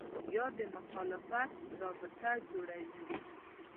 یا د مخالفت رابطه جوړوي